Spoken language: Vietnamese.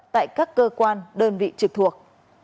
tại các cơ quan đơn vị trực thuộc